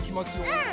うん！